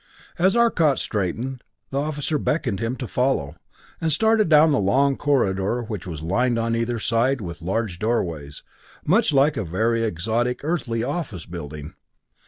As Arcot straightened, the officer beckoned to him to follow, and started down the long corridor which was lined on either side with large doorways, much like a very exotic earthly office building.